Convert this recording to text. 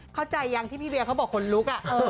เข้าใจยังที่พี่เวียเขาบอกคนลุก